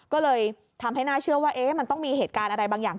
ก็เลยทำให้น่าเชื่อว่ามันต้องมีเหตุการณ์อะไรบางอย่าง